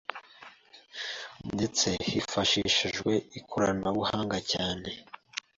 ndetse hifashishijwe ikoranabuhanga cyane